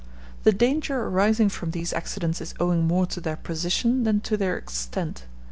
The danger arising from these accidents is owing more to their position than to their extent.